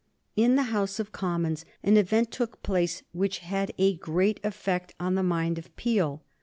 In the House of Commons an event took place which had a great effect on the mind of Peel.